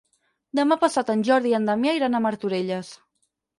Demà passat en Jordi i en Damià iran a Martorelles.